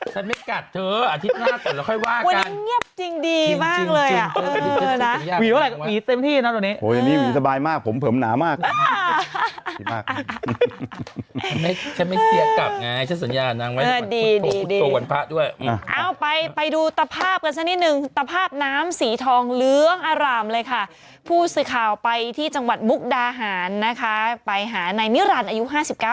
คุณแม่ก็โทรหาเขาเอาเลยพระเอกดวงพระยายเย็นน่ะคุณแม่ก็โทรหาเขาเอาเลยพระเอกดวงพระยายเย็นน่ะคุณแม่ก็โทรหาเขาเอาเลยพระเอกดวงพระยายเย็นน่ะคุณแม่ก็โทรหาเขาเอาเลยพระเอกดวงพระยายเย็นน่ะคุณแม่ก็โทรหาเขาเอาเลยพระเอกดวงพระยายเย็นน่ะคุณแม่ก็โทรหาเขาเอาเลยพระเอกดวงพระยายเ